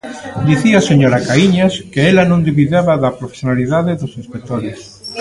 Dicía a señora Caíñas que ela non dubidaba da profesionalidade dos inspectores.